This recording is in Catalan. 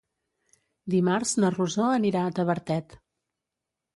Dimarts na Rosó anirà a Tavertet.